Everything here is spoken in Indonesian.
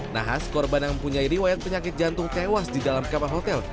nahas korban yang mempunyai riwayat penyakit jantung tewas di dalam kapal hotel